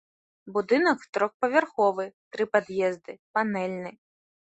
Будынак трохпавярховы, тры пад'езды, панэльны.